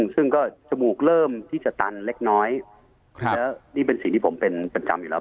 ซึ่งก็จมูกเริ่มที่จะตันเล็กน้อยแล้วนี่เป็นสิ่งที่ผมเป็นประจำอยู่แล้ว